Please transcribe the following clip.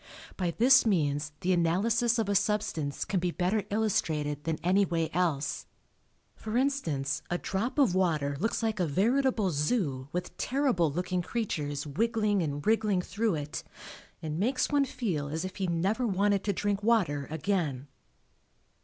By this means the analysis of a substance can be better illustrated than any way else. For instance a drop of water looks like a veritable Zoo with terrible looking creatures wiggling and wriggling through it, and makes one feel as if he never wanted to drink water again.